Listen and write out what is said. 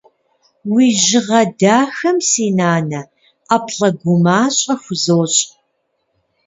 Уи жьыгъэ дахэм, си нанэ, ӏэплӏэ гумащӏэ хузощӏ.